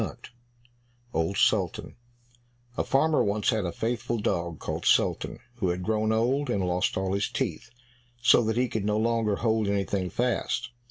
48 Old Sultan A farmer once had a faithful dog called Sultan, who had grown old, and lost all his teeth, so that he could no longer hold anything fast.